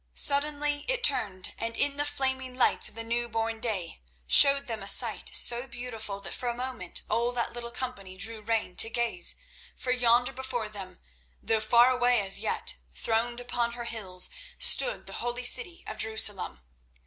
Suddenly it turned, and in the flaming lights of the new born day showed them a sight so beautiful that for a moment all that little company drew rein to gaze. For yonder before them, though far away as yet, throned upon her hills, stood the holy city of Jerusalem.